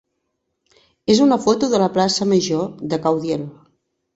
és una foto de la plaça major de Caudiel.